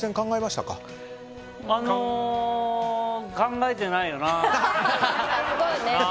考えてないよな。